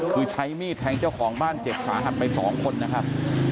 คือใช้มีดแทงเจ้าของบ้านเจ็บสาหัสไปสองคนนะครับ